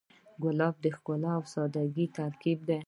ګلاب د ښکلا او سادګۍ ترکیب دی.